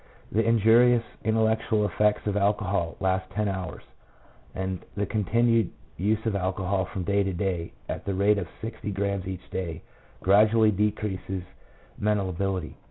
The injurious intellectual effects of alcohol last ten hours, and the continued use of alcohol from day to day, at the rate of sixty grammes each day, gradually decreases mental ability.